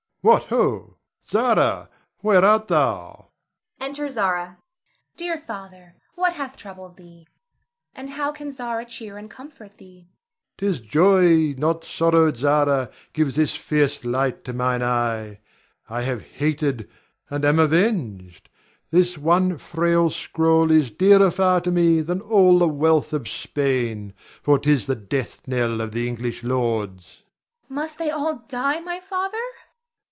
What, ho! Zara, where art thou? [Enter Zara. Zara. Dear father, what hath troubled thee, and how can Zara cheer and comfort thee? Ber. 'Tis joy, not sorrow, Zara, gives this fierce light to mine eye. I have hated, and am avenged. This one frail scroll is dearer far to me than all the wealth of Spain, for 'tis the death knell of the English lords. Zara. Must they all die, my father? Ber.